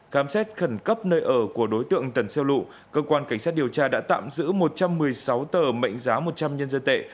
khám xét khẩn cấp nơi ở của đối tượng tần xeo lụ cơ quan cảnh sát điều tra đã tạm giữ một trăm một mươi sáu tờ mệnh giá một trăm linh nhân dân tệ